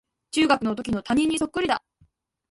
中学のときの担任にそっくりだ